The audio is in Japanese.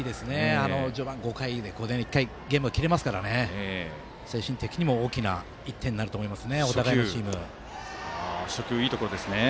序盤５回で１回ゲームが切れますから精神的にも大きな１点になると思います。